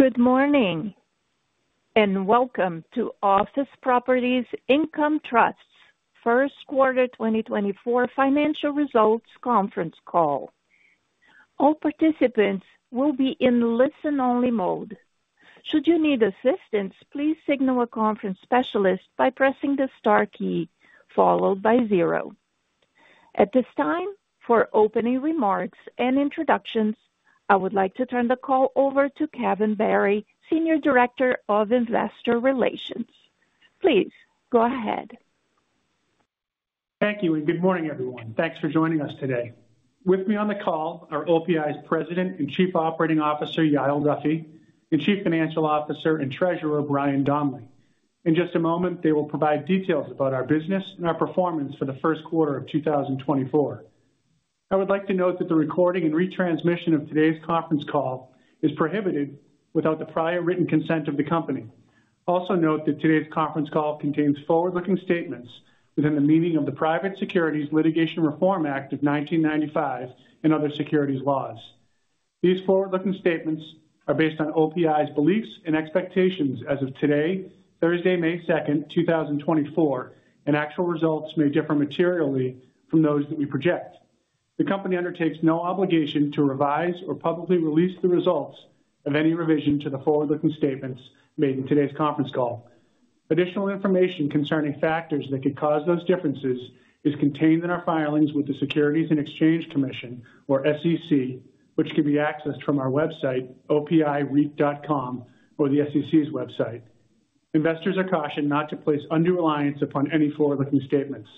Good morning, and welcome to Office Properties Income Trust's first quarter 2024 financial results conference call. All participants will be in listen-only mode. Should you need assistance, please signal a conference specialist by pressing the star key, followed by 0. At this time, for opening remarks and introductions, I would like to turn the call over to Kevin Barry, Senior Director of Investor Relations. Please go ahead. Thank you, and good morning, everyone. Thanks for joining us today. With me on the call are OPI's President and Chief Operating Officer Yael Duffy, and Chief Financial Officer and Treasurer Brian Donley. In just a moment, they will provide details about our business and our performance for the first quarter of 2024. I would like to note that the recording and retransmission of today's conference call is prohibited without the prior written consent of the company. Also note that today's conference call contains forward-looking statements within the meaning of the Private Securities Litigation Reform Act of 1995 and other securities laws. These forward-looking statements are based on OPI's beliefs and expectations as of today, Thursday, May 2, 2024, and actual results may differ materially from those that we project. The company undertakes no obligation to revise or publicly release the results of any revision to the forward-looking statements made in today's conference call. Additional information concerning factors that could cause those differences is contained in our filings with the Securities and Exchange Commission, or SEC, which can be accessed from our website, opireit.com, or the SEC's website. Investors are cautioned not to place undue reliance upon any forward-looking statements.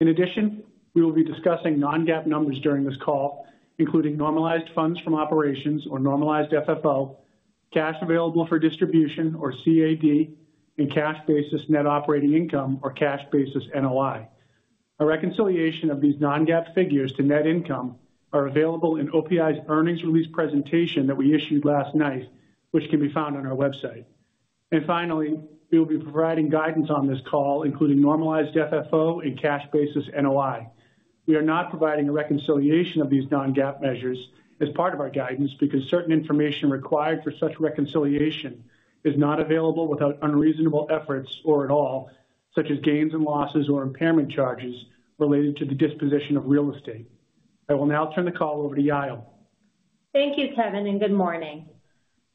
In addition, we will be discussing non-GAAP numbers during this call, including normalized funds from operations or normalized FFO, cash available for distribution or CAD, and cash basis net operating income or cash basis NOI. A reconciliation of these non-GAAP figures to net income is available in OPI's earnings release presentation that we issued last night, which can be found on our website. Finally, we will be providing guidance on this call, including normalized FFO and cash basis NOI. We are not providing a reconciliation of these non-GAAP measures as part of our guidance because certain information required for such reconciliation is not available without unreasonable efforts or at all, such as gains and losses or impairment charges related to the disposition of real estate. I will now turn the call over to Yael. Thank you, Kevin, and good morning.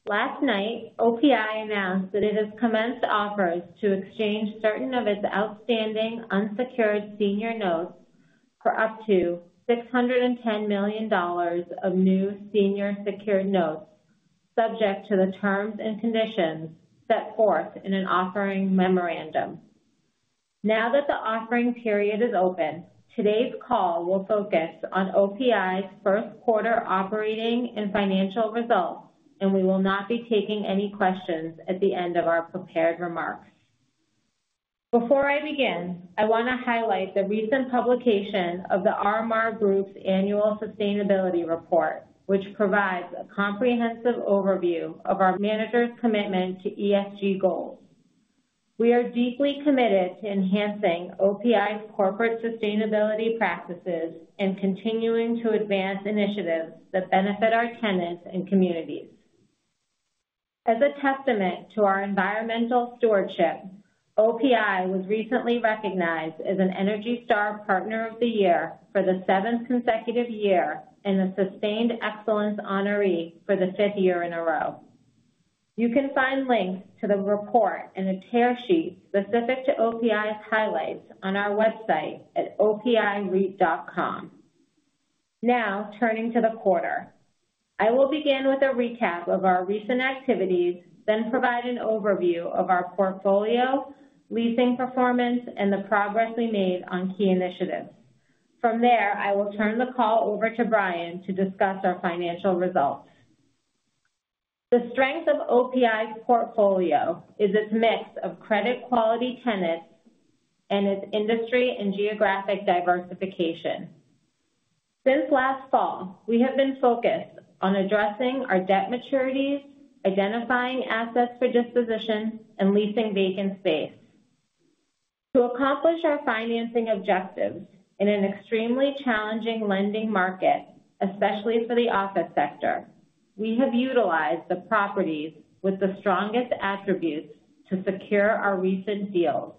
Last night, OPI announced that it has commenced offers to exchange certain of its outstanding unsecured senior notes for up to $610 million of new senior secured notes, subject to the terms and conditions set forth in an offering memorandum. Now that the offering period is open, today's call will focus on OPI's first quarter operating and financial results, and we will not be taking any questions at the end of our prepared remarks. Before I begin, I want to highlight the recent publication of the RMR Group's Annual Sustainability Report, which provides a comprehensive overview of our managers' commitment to ESG goals. We are deeply committed to enhancing OPI's corporate sustainability practices and continuing to advance initiatives that benefit our tenants and communities. As a testament to our environmental stewardship, OPI was recently recognized as an ENERGY STAR Partner of the Year for the seventh consecutive year and a Sustained Excellence Honoree for the fifth year in a row. You can find links to the report and a tear sheet specific to OPI's highlights on our website at opireit.com. Now, turning to the quarter. I will begin with a recap of our recent activities, then provide an overview of our portfolio, leasing performance, and the progress we made on key initiatives. From there, I will turn the call over to Brian to discuss our financial results. The strength of OPI's portfolio is its mix of credit quality tenants and its industry and geographic diversification. Since last fall, we have been focused on addressing our debt maturities, identifying assets for disposition, and leasing vacant space. To accomplish our financing objectives in an extremely challenging lending market, especially for the office sector, we have utilized the properties with the strongest attributes to secure our recent deals,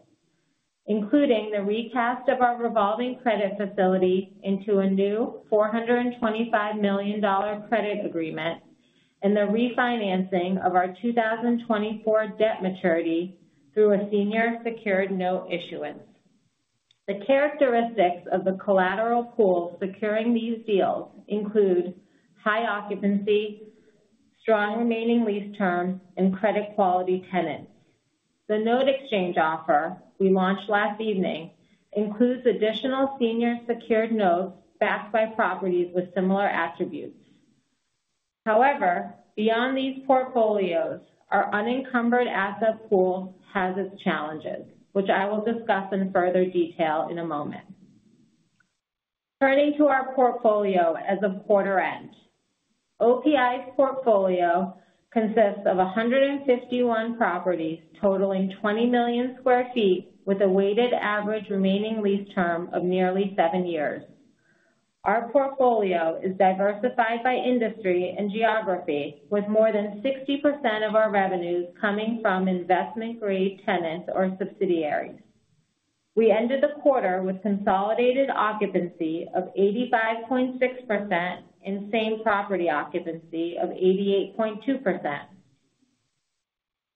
including the recast of our revolving credit facility into a new $425 million credit agreement and the refinancing of our 2024 debt maturity through a senior secured note issuance. The characteristics of the collateral pool securing these deals include high occupancy, strong remaining lease terms, and credit quality tenants. The note exchange offer we launched last evening includes additional senior secured notes backed by properties with similar attributes. However, beyond these portfolios, our unencumbered asset pool has its challenges, which I will discuss in further detail in a moment. Turning to our portfolio as of quarter end. OPI's portfolio consists of 151 properties totaling 20 million sq ft with a weighted average remaining lease term of nearly seven years. Our portfolio is diversified by industry and geography, with more than 60% of our revenues coming from investment-grade tenants or subsidiaries. We ended the quarter with consolidated occupancy of 85.6% and same property occupancy of 88.2%.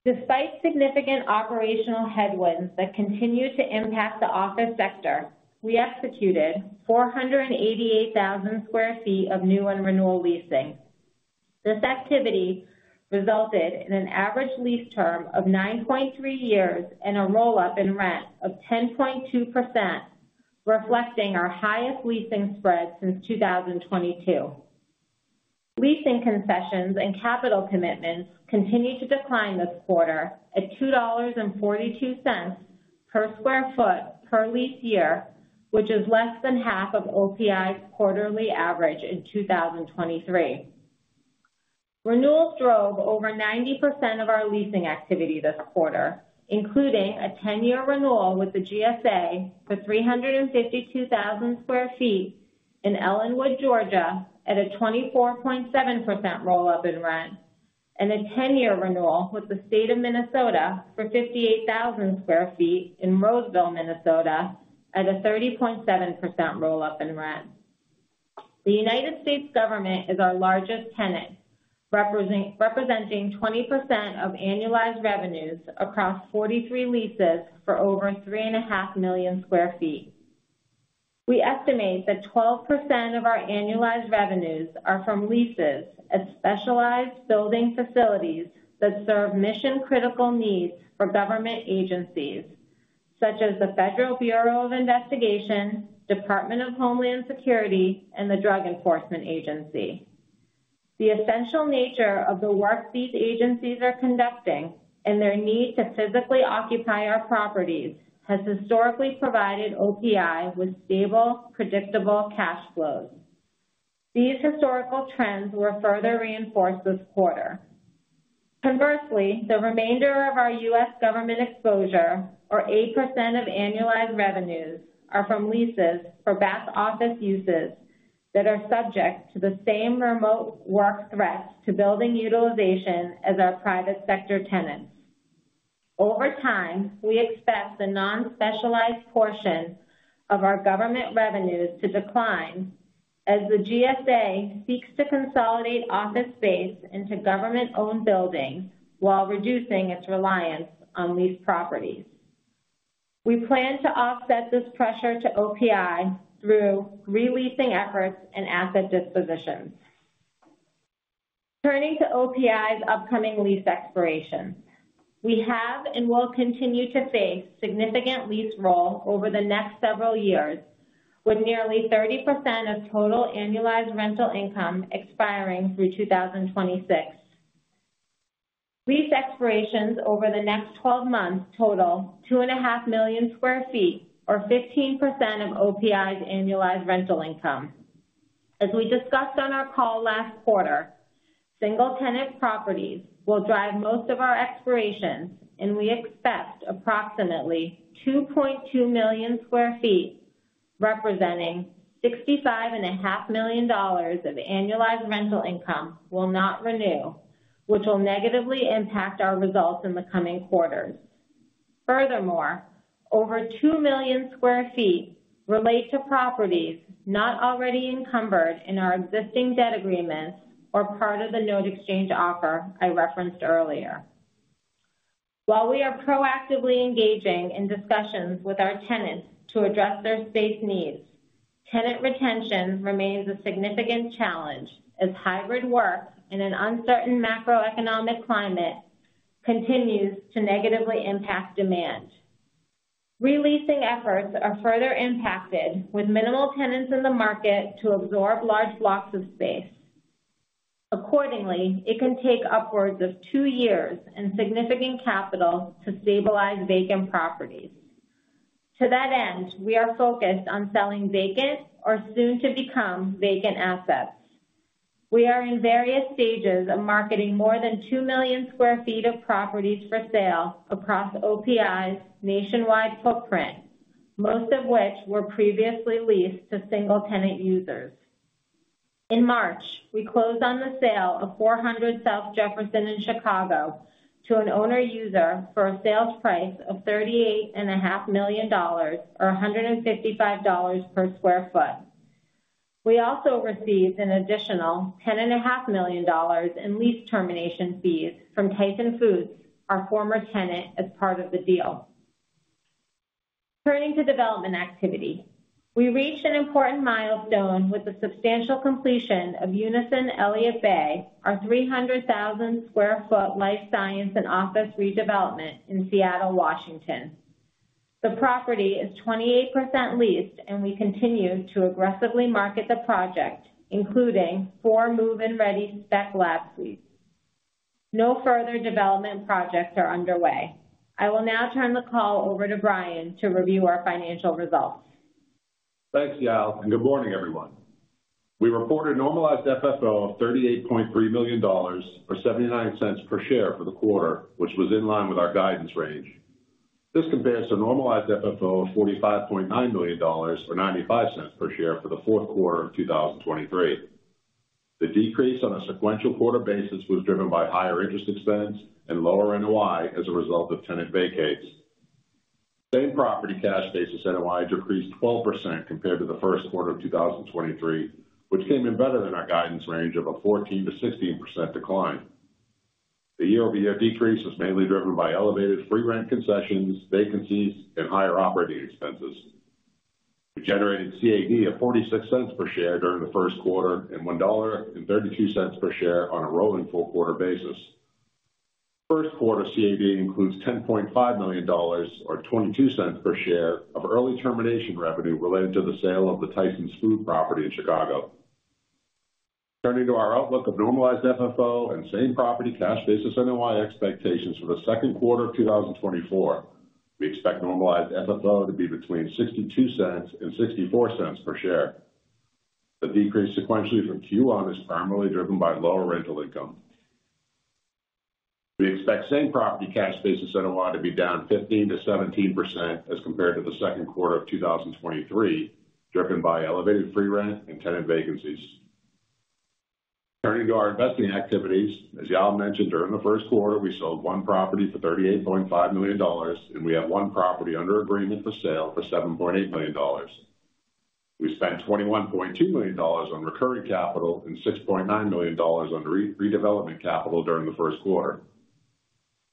Despite significant operational headwinds that continue to impact the office sector, we executed 488,000 sq ft of new and renewal leasing. This activity resulted in an average lease term of 9.3 years and a roll-up in rent of 10.2%, reflecting our highest leasing spread since 2022. Leasing concessions and capital commitments continue to decline this quarter at $2.42 per sq ft per lease year, which is less than half of OPI's quarterly average in 2023. Renewals drove over 90% of our leasing activity this quarter, including a 10-year renewal with the GSA for 352,000 sq ft in Ellenwood, Georgia, at a 24.7% roll-up in rent, and a 10-year renewal with the State of Minnesota for 58,000 sq ft in Roseville, Minnesota, at a 30.7% roll-up in rent. The United States government is our largest tenant, representing 20% of annualized revenues across 43 leases for over 3.5 million sq ft. We estimate that 12% of our annualized revenues are from leases at specialized building facilities that serve mission-critical needs for government agencies, such as the Federal Bureau of Investigation, Department of Homeland Security, and the Drug Enforcement Administration. The essential nature of the work these agencies are conducting and their need to physically occupy our properties has historically provided OPI with stable, predictable cash flows. These historical trends were further reinforced this quarter. Conversely, the remainder of our U.S. government exposure, or 8% of annualized revenues, are from leases for back office uses that are subject to the same remote work threats to building utilization as our private sector tenants. Over time, we expect the non-specialized portion of our government revenues to decline as the GSA seeks to consolidate office space into government-owned buildings while reducing its reliance on leased properties. We plan to offset this pressure to OPI through leasing efforts and asset dispositions. Turning to OPI's upcoming lease expirations. We have and will continue to face significant lease rollover over the next several years, with nearly 30% of total annualized rental income expiring through 2026. Lease expirations over the next 12 months total 2.5 million sq ft, or 15% of OPI's annualized rental income. As we discussed on our call last quarter, single-tenant properties will drive most of our expirations, and we expect approximately 2.2 million sq ft, representing $65.5 million of annualized rental income will not renew, which will negatively impact our results in the coming quarters. Furthermore, over 2 million sq ft relate to properties not already encumbered in our existing debt agreements or part of the note exchange offer I referenced earlier. While we are proactively engaging in discussions with our tenants to address their space needs, tenant retention remains a significant challenge as hybrid work in an uncertain macroeconomic climate continues to negatively impact demand. Releasing efforts are further impacted, with minimal tenants in the market to absorb large blocks of space. Accordingly, it can take upwards of 2 years and significant capital to stabilize vacant properties. To that end, we are focused on selling vacant or soon-to-become vacant assets. We are in various stages of marketing more than 2 million sq ft of properties for sale across OPI's nationwide footprint, most of which were previously leased to single-tenant users. In March, we closed on the sale of 400 South Jefferson in Chicago to an owner-user for a sales price of $38.5 million or $155 per sq ft. We also received an additional $10.5 million in lease termination fees from Tyson Foods, our former tenant as part of the deal. Turning to development activity. We reached an important milestone with the substantial completion of Unison Elliott Bay, our 300,000 sq ft life science and office redevelopment in Seattle, Washington. The property is 28% leased, and we continue to aggressively market the project, including four move-in-ready spec lab suites. No further development projects are underway. I will now turn the call over to Brian to review our financial results. Thanks, Yael, and good morning, everyone. We reported normalized FFO of $38.3 million or $0.79 per share for the quarter, which was in line with our guidance range. This compares to normalized FFO of $45.9 million or $0.95 per share for the fourth quarter of 2023. The decrease on a sequential quarter basis was driven by higher interest expense and lower NOI as a result of tenant vacates. Same property cash basis NOI decreased 12% compared to the first quarter of 2023, which came in better than our guidance range of a 14%-16% decline. The overall decrease was mainly driven by elevated free rent concessions, vacancies, and higher operating expenses. We generated CAD of $0.46 per share during the first quarter and $1.32 per share on a rolling four-quarter basis. First quarter CAD includes $10.5 million or $0.22 per share of early termination revenue related to the sale of the Tyson Foods property in Chicago. Turning to our outlook of normalized FFO and same property cash basis NOI expectations for the second quarter of 2024. We expect normalized FFO to be between $0.62-$0.64 per share. The decrease sequentially from Q1 is primarily driven by lower rental income. We expect same property cash basis NOI to be down 15%-17% as compared to the second quarter of 2023, driven by elevated free rent and tenant vacancies. Turning to our investing activities. As Yael mentioned, during the first quarter, we sold one property for $38.5 million, and we have one property under agreement for sale for $7.8 million. We spent $21.2 million on recurring capital and $6.9 million on redevelopment capital during the first quarter.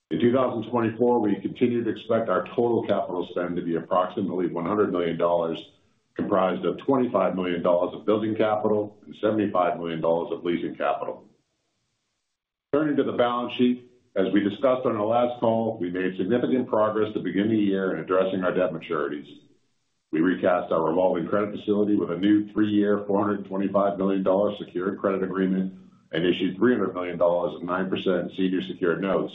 In 2024, we continue to expect our total capital spend to be approximately $100 million, comprised of $25 million of building capital and $75 million of leasing capital. Turning to the balance sheet. As we discussed on our last call, we made significant progress to begin the year in addressing our debt maturities. We recast our revolving credit facility with a new three-year $425 million secured credit agreement and issued $300 million of 9% senior secured notes.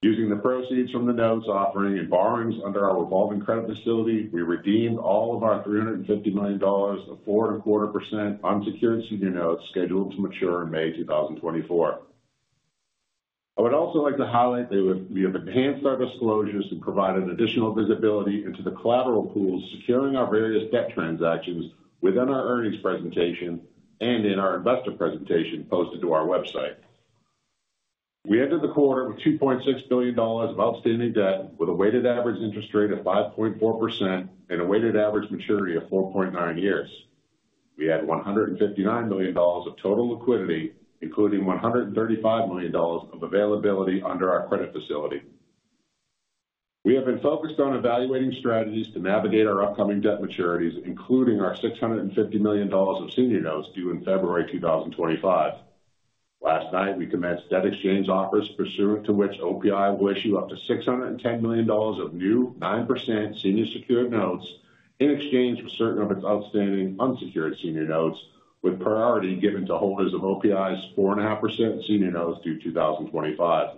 Using the proceeds from the notes, offering, and borrowings under our revolving credit facility, we redeemed all of our $350 million of 4.25% unsecured senior notes scheduled to mature in May 2024. I would also like to highlight that we have enhanced our disclosures and provided additional visibility into the collateral pools, securing our various debt transactions within our earnings presentation and in our investor presentation posted to our website. We ended the quarter with $2.6 billion of outstanding debt with a weighted average interest rate of 5.4% and a weighted average maturity of 4.9 years. We had $159 million of total liquidity, including $135 million of availability under our credit facility. We have been focused on evaluating strategies to navigate our upcoming debt maturities, including our $650 million of senior notes due in February 2025. Last night, we commenced debt exchange offers pursuant to which OPI will issue up to $610 million of new 9% senior secured notes in exchange for certain of its outstanding unsecured senior notes, with priority given to holders of OPI's 4.5% senior notes due 2025.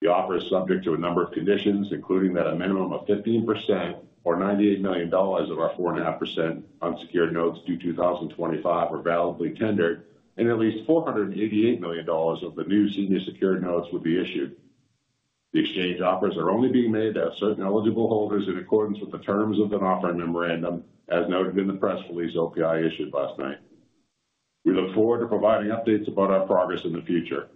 The offer is subject to a number of conditions, including that a minimum of 15% or $98 million of our 4.5% unsecured notes due 2025 are validly tendered, and at least $488 million of the new senior secured notes would be issued. The exchange offers are only being made to certain eligible holders in accordance with the terms of an offering memorandum as noted in the press release OPI issued last night. We look forward to providing updates about our progress in the future.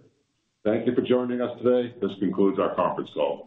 Thank you for joining us today. This concludes our conference call.